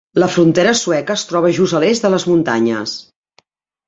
La frontera sueca es troba just a l'est de les muntanyes.